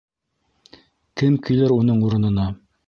Кем килер уның урынына?